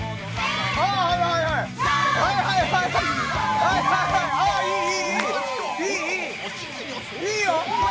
いいよ！